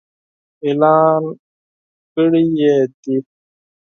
اعلان کړي يې دي.